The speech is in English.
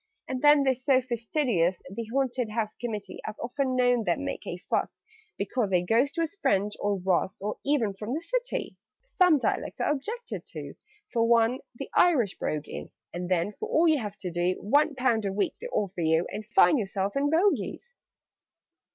"And then they're so fastidious, The Haunted House Committee: I've often known them make a fuss Because a Ghost was French, or Russ, Or even from the City! "Some dialects are objected to For one, the Irish brogue is: And then, for all you have to do, One pound a week they offer you, And find yourself in Bogies!"